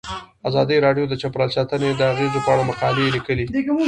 ازادي راډیو د چاپیریال ساتنه د اغیزو په اړه مقالو لیکلي.